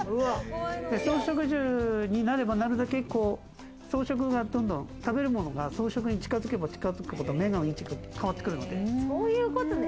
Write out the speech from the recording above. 草食獣になればなるだけ、草食が、どんどん食べるものが草食に近づけば近づくほど、目の位置が変わってくるので。